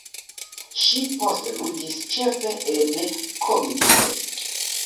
Ŝi poste ludis ĉefe en komedioj.